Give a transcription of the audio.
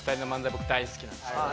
僕大好きなんですよね